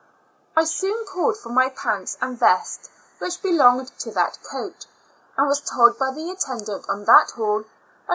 I soon called for my pants and vest which belonged to that coat, and was told by the attendant on that hall, that.